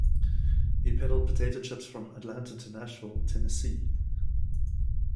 He peddled potato chips from Atlanta to Nashville, Tennessee.